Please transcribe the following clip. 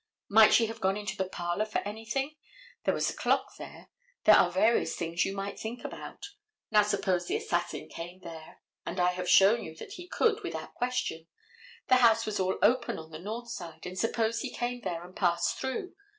Might she have gone into the parlor for anything? There was a clock there. There are various things you might think about. Now, suppose the assassin came there, and I have shown you he could without question, the house was all open on the north side, and suppose he came there and passed through.